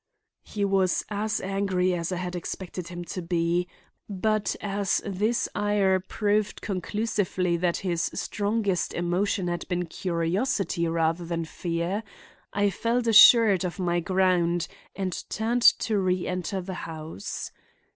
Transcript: He was as angry as I had expected him to be, but as this ire proved conclusively that his strongest emotion had been curiosity rather than fear, I felt assured of my ground, and turned to reenter the house.